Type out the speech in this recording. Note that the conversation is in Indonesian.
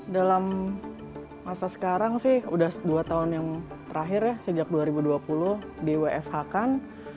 dalam masa sekarang sih udah dua tahun yang terakhir ya sejak dua ribu dua puluh di wfh kan